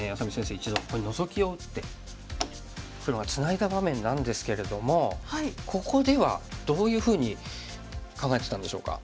一度ここにノゾキを打って黒がツナいだ場面なんですけれどもここではどういうふうに考えていたんでしょうか？